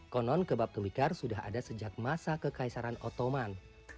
konon kebab tumikar sudah ada sejak masa kekaisaran ottoman